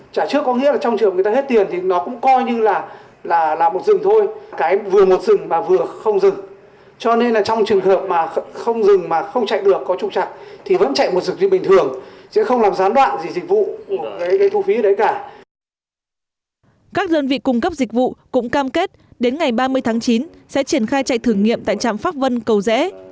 các đơn vị cung cấp dịch vụ cũng cam kết đến ngày ba mươi tháng chín sẽ triển khai chạy thử nghiệm tại trạm pháp vân cầu rẽ